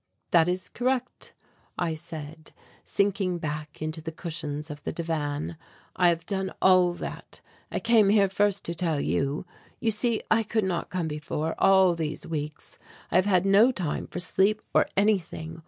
"That is correct," I said, sinking back into the cushions of the divan. "I have done all that. I came here first to tell you. You see I could not come before, all these weeks, I have had no time for sleep or anything.